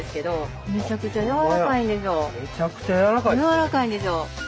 柔らかいんですよ。